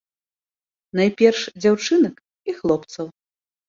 Найперш дзяўчынак і хлопцаў.